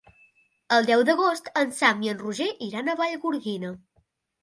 El deu d'agost en Sam i en Roger iran a Vallgorguina.